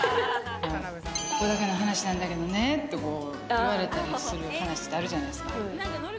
ここだけの話なんだけどねって言われたりする話ってあるじゃないですか。